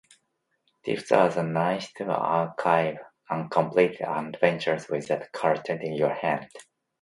This was a nice way to "archive" uncompleted adventures without cluttering your hand.